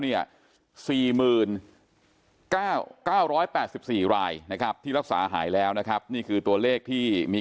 เนี่ย๔๙๙๘๔รายนะครับที่รักษาหายแล้วนะครับนี่คือตัวเลขที่มี